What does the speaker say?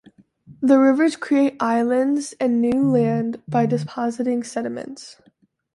The rivers create islands and new land by depositing sediments.